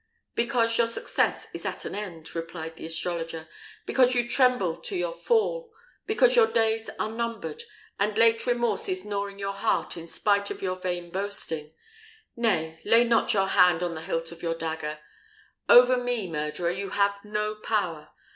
"Because your success is at an end," replied the astrologer: "because you tremble to your fall; because your days are numbered, and late remorse is gnawing your heart in spite of your vain boasting. Nay, lay not your hand on the hilt of your dagger! Over me, murderer, you have no power!